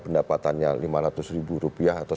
pendapatannya rp lima ratus atau